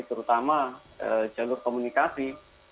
terutama jalur komunikasi